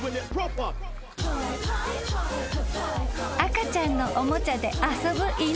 ［赤ちゃんのおもちゃで遊ぶ犬］